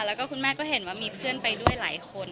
แล้วก็คุณแม่ก็เห็นว่ามีเพื่อนไปด้วยหลายคน